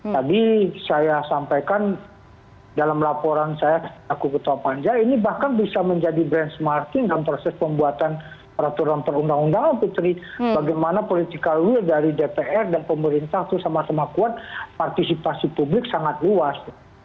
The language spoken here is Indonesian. tadi saya sampaikan dalam laporan saya aku ketua panja ini bahkan bisa menjadi branchmarking dalam proses pembuatan peraturan perundang undangan putri bagaimana political will dari dpr dan pemerintah itu sama sama kuat partisipasi publik sangat luas